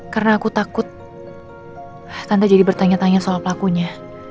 karena aku takut tante jadi bertanya tanya soal pelakunya